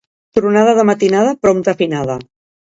Tronada de matinada, prompte finada.